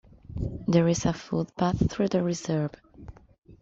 There is a footpath through the reserve.